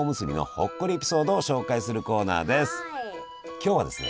今日はですね